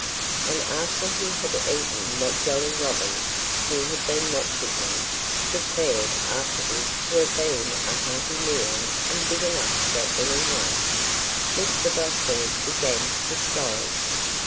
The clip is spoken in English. And after he had eaten what Jolly Robin, who had been watching him, declared afterward to have been a hearty meal and big enough for any one, Mr. Blackbird began to scold.